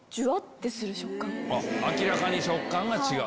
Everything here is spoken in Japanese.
明らかに食感が違う。